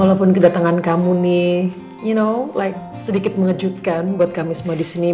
walaupun kedatangan kamu nih you know like sedikit mengejutkan buat kami semua di sini